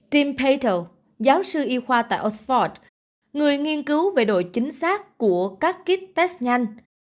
tim pato giáo sư y khoa tại oxford người nghiên cứu về độ chính xác của các kết test nhanh